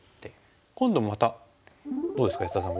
今度またどうですか安田さん